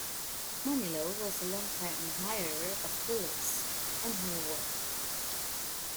Manilow was a long time admirer of Phyllis and her work.